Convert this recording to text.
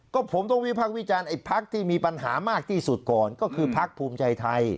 ก็ผมต้องวิพักษ์วิจารณ์ไอ้พักที่มีปัญหามากที่สุดก่อนก็คือพักภูมิใจไทย